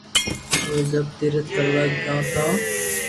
اووي سب تيرٿ ڪروا گيو تو